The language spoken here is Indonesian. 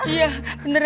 iya beneran ya